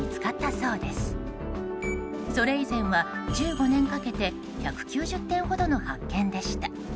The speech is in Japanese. それ以前は１５年かけて１９０点ほどの発見でした。